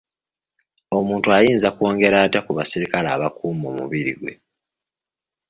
Omuntu ayinza kwongera atya ku basirikale abakuuma omubiri gwe?